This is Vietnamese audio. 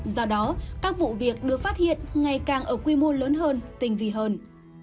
do đó các vụ việc được phát hiện ngày càng ở quy mô lớn hơn tình vị hơn